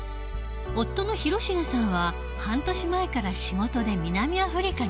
夫の広重さんは半年前から仕事で南アフリカにいる。